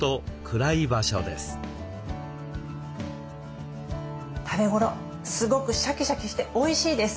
食べごろすごくシャキシャキしておいしいです。